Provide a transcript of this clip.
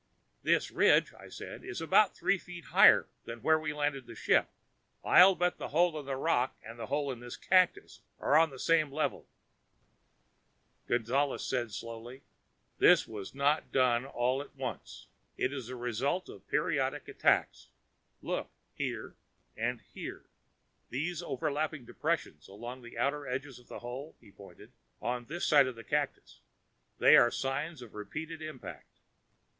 "This ridge," I said, "is about three feet higher than where we landed the ship. I bet the hole in the rock and the hole in this cactus are on the same level." Gonzales said slowly, "This was not done all at once. It is a result of periodic attacks. Look here and here. These overlapping depressions along the outer edges of the hole " he pointed "on this side of the cactus. They are the signs of repeated impact.